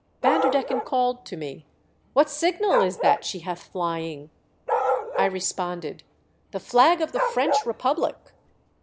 Vanderdecken called to me, " What signal is that she hath flying ?" I responded, "The flag of the French Republic."